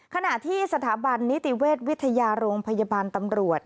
ขณะที่สถาบันนิติเวชวิทยาโรงพยาบาลตำรวจ